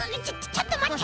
ちょっとまって。